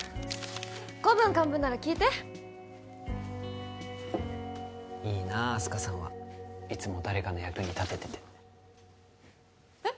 古文漢文なら聞いていいなあす花さんはいつも誰かの役に立てててえっ？